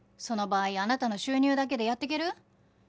その場合あなたの収入だけでやっていける？